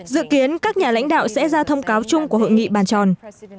dự kiến các nhà lãnh đạo sẽ ra thông cáo chung của hội nghị bàn tròn